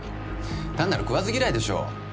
単なる食わず嫌いでしょう？